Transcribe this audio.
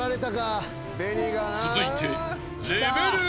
［続いて］